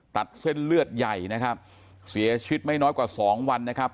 ตัดเส้นเลือดใหญ่นะครับเสียชีวิตไม่น้อยกว่าสองวันนะครับ